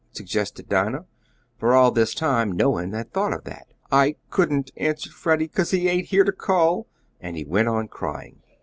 suggested Dinah, for all this time no one had thought of that. "I couldn't," answered Freddie, "'cause he ain't here to call." And he went on crying.